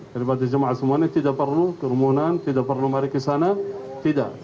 karena pada jemaah semuanya tidak perlu kerumunan tidak perlu mari ke sana tidak